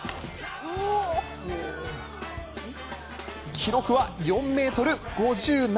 記録は４ｍ５７。